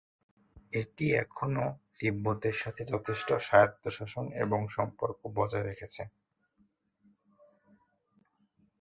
এটি এখনও তিব্বতের সাথে যথেষ্ট স্বায়ত্তশাসন এবং সম্পর্ক বজায় রেখেছে।